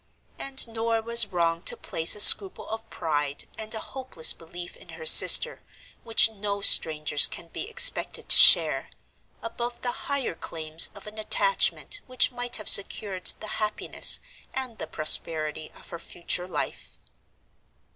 And Norah was wrong to place a scruple of pride, and a hopeless belief in her sister which no strangers can be expected to share, above the higher claims of an attachment which might have secured the happiness and the prosperity of her future life.